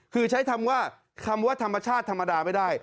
คือใช้คำว่าคำว่าธรรมชาติธรรมดาไม่ได้